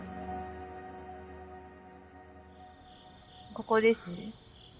ここですね。